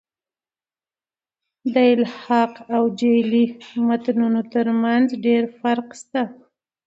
د الحاق او جعلي متونو ترمتځ ډېر لږ فرق سته.